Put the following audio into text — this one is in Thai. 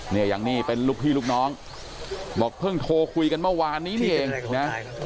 อย่างนี้เป็นลูกพี่ลูกน้องบอกเพิ่งโทรคุยกันเมื่อวานนี้นี่เองนะ